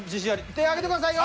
手挙げてくださいよ。